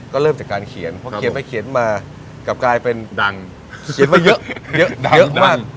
ก็เริ่มจากการเขียนเพราะเขียนไปเขียนมากลับกลายเป็นเยอะเยอะมาก